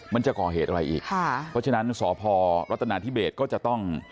มันจะก่อเหตุอะไรอีกค่ะเพราะฉะนั้นสพรัฐนาธิเบสก็จะต้อง